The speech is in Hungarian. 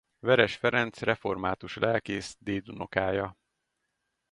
Veress Ferenc református lelkész dédunokája.